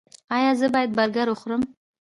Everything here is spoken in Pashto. ایا زه باید برګر وخورم؟